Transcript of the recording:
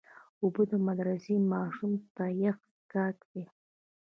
اوبه د مدرسې ماشوم ته یخ څښاک دی.